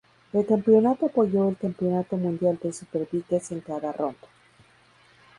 El campeonato apoyó el Campeonato Mundial de Superbikes en cada ronda.